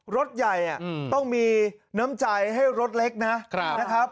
รถใหญ่ต้องมีน้ำใจให้รถเล็กนะครับ